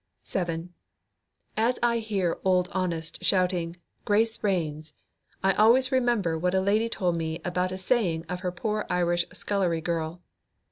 7. As I hear Old Honest shouting "Grace reigns!" I always remember what a lady told me about a saying of her poor Irish scullery girl.